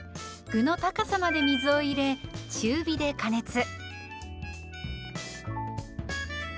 具の高さまで水を入れ中火で加熱。